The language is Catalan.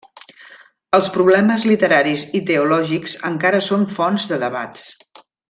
Els problemes literaris i teològics encara són fonts de debats.